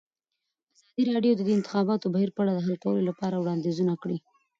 ازادي راډیو د د انتخاباتو بهیر په اړه د حل کولو لپاره وړاندیزونه کړي.